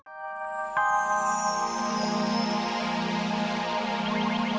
ah atuh tolong